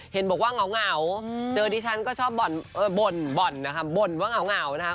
เห็นบอกว่าเหงาเจอดิฉันก็ชอบบ่นบ่อนนะคะบ่นว่าเหงานะคะ